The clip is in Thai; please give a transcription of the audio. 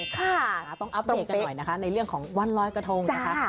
ค่ะต้องอัปเดตกันหน่อยนะคะในเรื่องของวันลอยกระทงนะคะ